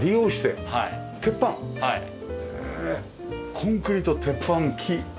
コンクリート鉄板木。